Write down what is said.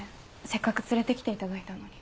せっかく連れて来ていただいたのに。